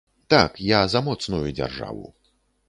Так, я за моцную дзяржаву.